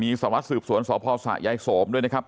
มีสอบรับสืบสวนศพสระย้โศมด้วยนะครับ